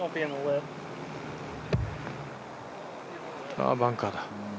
ああ、バンカーだ。